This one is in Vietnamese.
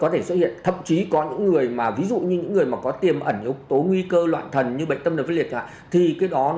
thậm chí có những người mà có tiềm ẩn ốc tố nguy cơ loạn thần như bệnh tâm đồng viên liệt